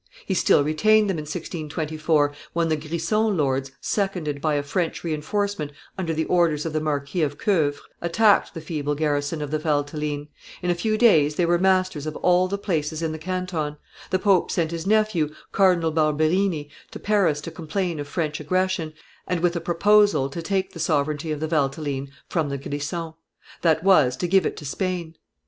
He still retained them in 1624, when the Grison lords, seconded by a French re enforcement under the orders of the Marquis of Ceeuvres, attacked the feeble garrison of the Valteline; in a few days they were masters of all the places in the canton; the pope sent his nephew, Cardinal Barberini, to Paris to complain of French aggression, and with a proposal to take the sovereignty of the Valteline from the Grisons; that was, to give it to Spain.